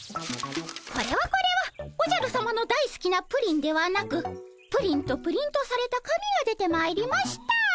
これはこれはおじゃるさまのだいすきなプリンではなく「プリン」とプリントされた紙が出てまいりました。